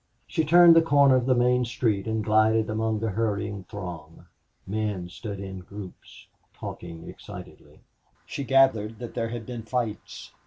She turned the corner of the main street and glided among the hurrying throng. Men stood in groups, talking excitedly. She gathered that there had been fights.